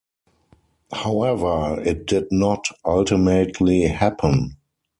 However it did not ultimately happen.